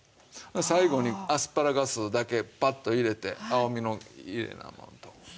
最後にアスパラガスだけぱっと入れて青みのきれいなもんとしたり。